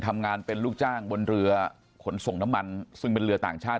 ทำงานเป็นลูกจ้างบนเรือขนส่งน้ำมันซึ่งเป็นเรือต่างชาติ